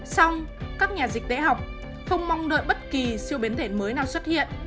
xong các nhà dịch tễ học không mong đợi bất kỳ siêu biến thể mới nào xuất hiện